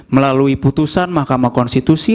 melalui putusan mahkamah konstitusi